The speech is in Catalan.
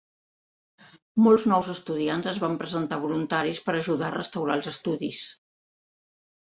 Molts nous estudiants es van presentar voluntaris per ajudar a restaurar els estudis.